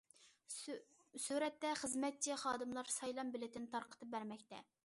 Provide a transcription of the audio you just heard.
سۈرەتتە: خىزمەتچى خادىملار سايلام بېلىتىنى تارقىتىپ بەرمەكتە.